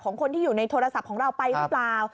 คนที่อยู่ในโทรศัพท์ของเราไปหรือเปล่า